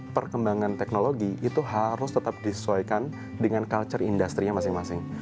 perkembangan teknologi itu harus tetap disesuaikan dengan culture industry nya masing masing